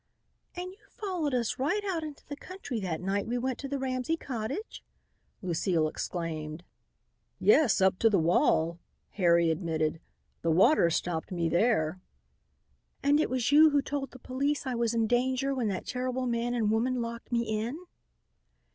"And you followed us right out into the country that night we went to the Ramsey cottage?" Lucile exclaimed. "Yes, up to the wall," Harry admitted. "The water stopped me there." "And it was you who told the police I was in danger when that terrible man and woman locked me in?"